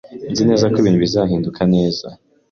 Nzi neza ko ibintu bizahinduka neza.